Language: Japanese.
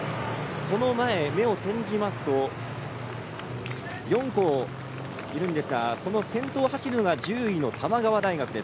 その前、目を転じますと４校いるんですがその先頭は１０位の玉川大学です。